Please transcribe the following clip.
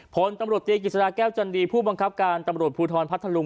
ผลตำรวจตีกิจสดาแก้วจันดีผู้บังคับการตำรวจภูทรพัทธลุง